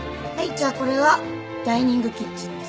じゃあこれがダイニングキッチンです。